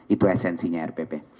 itu esensinya rpp